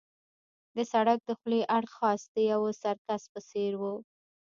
د سړک دخولي اړخ خاص د یوه سرکس په څېر وو.